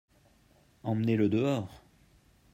Emmenez-le dehors.